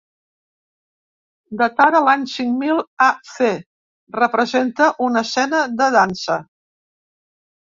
Datada l’any cinc mil aC, representa una escena de dansa.